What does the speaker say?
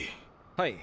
はい。